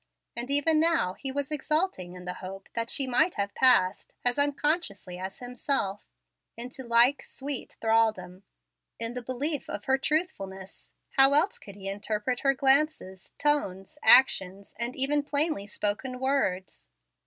And even now he was exulting in the hope that she might have passed, as unconsciously as himself, into like sweet thraldom. In the belief of her truthfulness, how else could he interpret her glances, tones, actions, and even plainly spoken words?